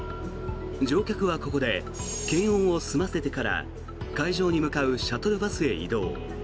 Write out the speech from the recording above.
乗客はここで検温を済ませてから会場に向かうシャトルバスへ移動。